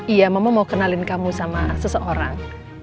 iya mama mau kenalin kamu sama seseorang